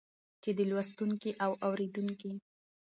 چې د لوستونکي او اورېدونکي